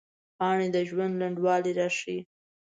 پاڼې د ژوند لنډوالي راښيي